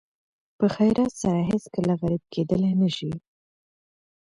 په خیرات سره هېڅکله غریب کېدلی نه شئ.